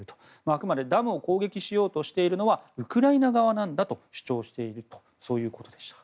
あくまでダムを攻撃しようとしているのはウクライナ側だと主張しているということでした。